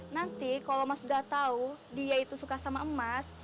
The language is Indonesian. nanti kalau mas sudah tahu dia itu suka sama emas